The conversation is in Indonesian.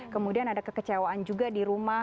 kemudian ada kekecewaan juga di rumah